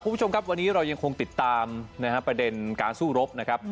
คุณผู้ชมครับวันนี้เรายังคงติดตามประเด็นการสู้รบนะครับ